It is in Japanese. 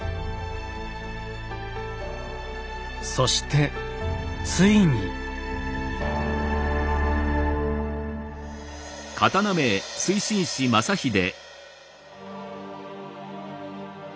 そしてついに。